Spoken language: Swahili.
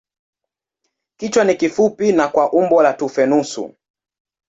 Kichwa ni kifupi na kwa umbo la tufe nusu.